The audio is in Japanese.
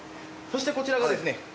そしてこちらがですね。